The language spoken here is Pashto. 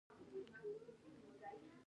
لکه غنم د زړه په سر چاودلی يمه